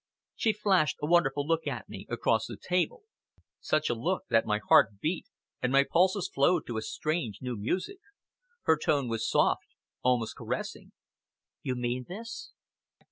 She flashed a wonderful look at me across the table such a look that my heart beat, and my pulses flowed to a strange, new music. Her tone was soft, almost caressing. "You mean this?"